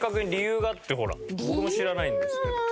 僕も知らないんですけど。